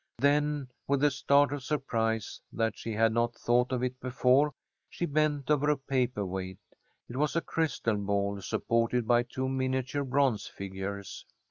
Then, with a start of surprise that she had not thought of it before, she bent over a paper weight. It was a crystal ball supported by two miniature bronze figures.